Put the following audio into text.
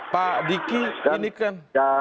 pak diki ini kan